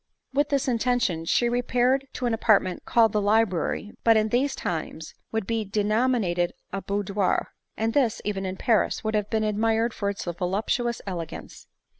With this intention she repaired to an apartment called the library, but what in these times would be denominat ed a boudoir; and this, even in Paris, would have been admired for its voluptuous elegance.